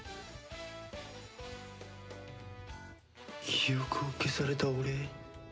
「記憶を消された俺へ」？